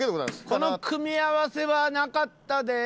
この組み合わせはなかったで。